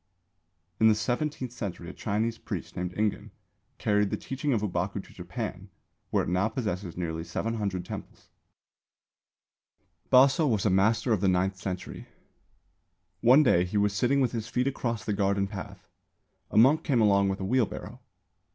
In the seventeenth century a Chinese priest named Ingen carried the teaching of Ōbaku to Japan, where it now possesses nearly 700 temples. 1592 1673 A.D. BASO. Baso was a master of the ninth century. One day he was sitting with his feet across the garden path. A monk came along with a wheel barrow.